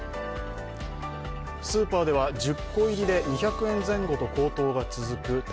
スーパーでは１０個入りで２００円前後と高騰が続く卵。